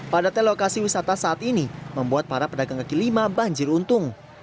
padatnya lokasi wisata saat ini membuat para pedagang kaki lima banjir untung